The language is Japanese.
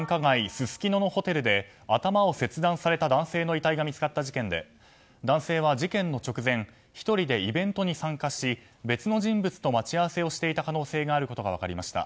すすきののホテルで頭を切断された男性の遺体が見つかった事件で男性は事件の直前１人でイベントに参加し別の人物と待ち合わせをしていた可能性があることが分かりました。